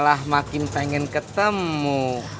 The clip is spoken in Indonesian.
malah makin pengen ketemu